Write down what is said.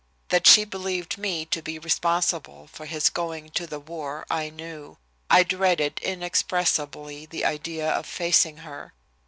That she believed me to be responsible for his going to the war I knew. I dreaded inexpressibly the idea of facing her.